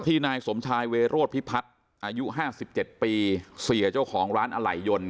นายสมชายเวโรธพิพัฒน์อายุ๕๗ปีเสียเจ้าของร้านอะไหล่ยนต์